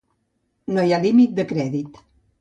No hi ha límit de crèdit.